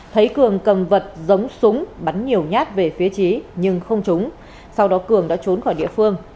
thấy cường cầm vật giống súng bắn nhiều nhát về phía trí nhưng không trúng sau đó cường đã trốn khỏi địa phương